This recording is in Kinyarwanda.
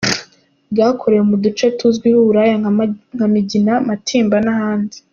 Bwakorewe mu duce tuzwiho uburaya nka Migina, Matimba n’ahandi.